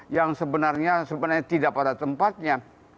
yang sebenarnya tidak pada tempatnya